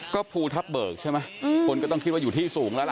ก็ภูทับเบิกใช่ไหมคนก็ต้องคิดว่าอยู่ที่สูงแล้วล่ะ